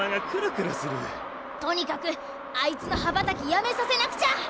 とにかくあいつのはばたきやめさせなくちゃ！